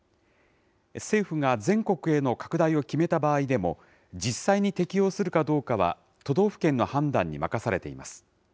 政府が全国への拡大を決めた場合でも、実際に適用するかどうかは、都道府県の判断に任されています。